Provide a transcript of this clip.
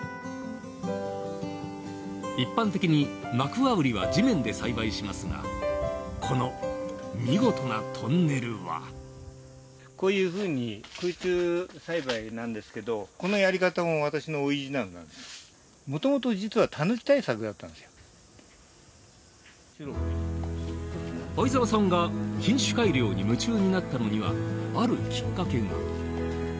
一般的にマクワウリは地面で栽培しますがこの見事なトンネルは。相澤さんが品種改良に夢中になったのにはあるきっかけが。